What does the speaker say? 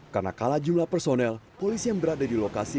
karena kalah jumlah personel polisi yang berada di lokasi